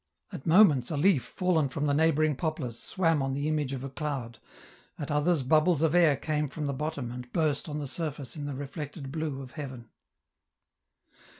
At moments a leaf fallen from the neighbouring poplars swam on the image of a cloud, at others bubbles of air came from the bottom and burst on the surface in the reflected blue of heaven.